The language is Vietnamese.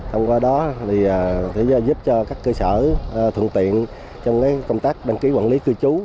thông qua đó giúp cho các cơ sở thuận tiện trong công tác đăng ký quản lý cư trú